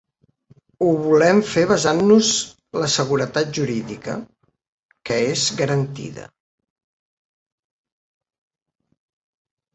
Ho volem fer basant-nos la seguretat jurídica, que és garantida.